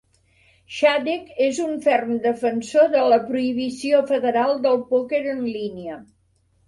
Shadegg és un ferm defensor de la prohibició federal del pòquer en línia.